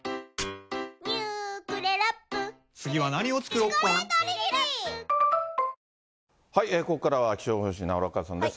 このあと、ここからは、気象予報士、奈良岡さんです。